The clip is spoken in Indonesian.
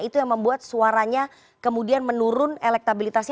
itu yang membuat suaranya kemudian menurun elektabilitasnya